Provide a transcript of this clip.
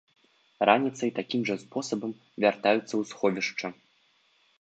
Раніцай такім жа спосабам вяртаюцца ў сховішча.